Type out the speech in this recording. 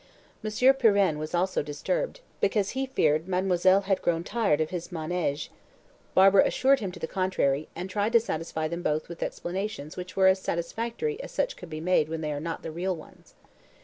Monsieur Pirenne was also disturbed, because he feared "Mademoiselle had grown tired of his manège." Barbara assured him to the contrary, and tried to satisfy them both with explanations which were as satisfactory as such can be when they are not the real ones.